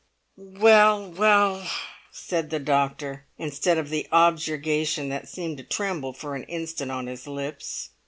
"Well, well!" said the doctor, instead of the objurgation that seemed to tremble for an instant on his lips.